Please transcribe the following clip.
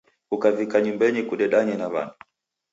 Kukavika nyumbenyi kudedanye na w'andu.